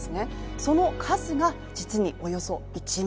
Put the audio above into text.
その数が、実におよそ１万。